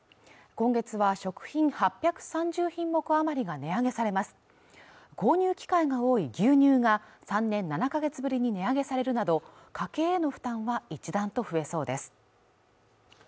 今月は食品８３０品目余りが値上げされます購入機会が多い牛乳が３年７か月ぶりに値上げされるなど家計の負担は一段と増えそうです